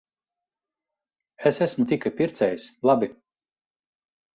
Es esmu tikai pircējs. Labi.